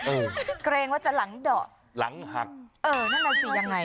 เกรงว่าจะหลังดอกหลังหักเออนั่นน่ะสิยังไง